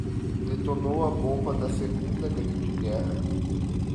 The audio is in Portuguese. Detonou a bomba da Segunda Grande Guerra